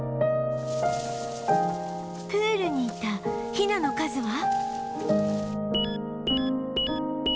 プールにいたヒナの数は